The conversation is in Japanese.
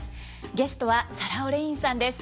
ゲストはサラ・オレインさんです。